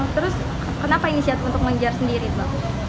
terus kenapa insiat untuk mengejar sendiri itu